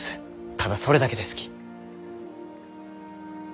ただそれだけですき。